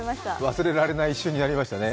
忘れられない、一緒にやりましたね。